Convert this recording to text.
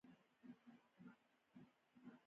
باران د افغانانو لپاره په معنوي لحاظ ارزښت لري.